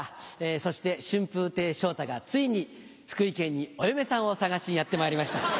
そして春風亭昇太がついに福井県にお嫁さんを探しにやってまいりました。